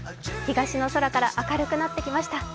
東の空から明るくなってきました。